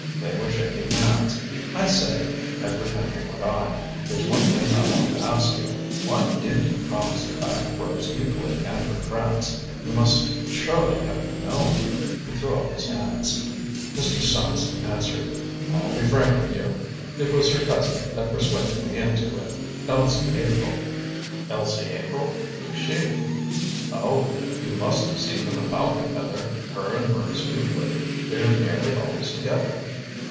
They were shaking hands. "I say," Edward Henry went on, "there's one thing I want to ask you. Why did you promise to back Rose Euclid and her friends? You must surely have known " He threw up his hands. Mr. Sachs answered: "I'll be frank with you. It was her cousin that persuaded me into it Elsie April." "Elsie April? Who's she?" "Oh! You must have seen them about together her and Rose Euclid. They're nearly always together."